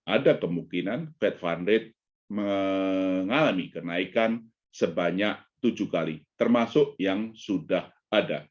ada kemungkinan fed fund rate mengalami kenaikan sebanyak tujuh kali termasuk yang sudah ada